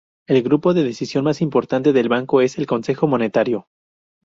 El grupo de decisión más importante del banco es el Consejo Monetario.